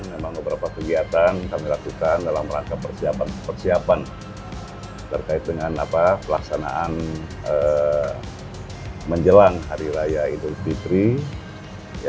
memang beberapa kegiatan kami lakukan dalam rangka persiapan persiapan terkait dengan pelaksanaan menjelang hari raya idul fitri